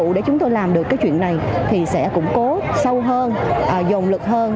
công cụ để chúng tôi làm được cái chuyện này thì sẽ củng cố sâu hơn dồn lực hơn